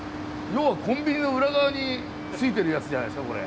要はコンビニの裏側についてるやつじゃないですかこれ。